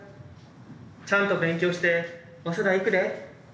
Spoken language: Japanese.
ちゃんと勉強して早稲田行くで。